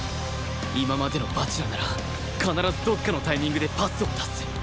今までの蜂楽なら必ずどこかのタイミングでパスを出す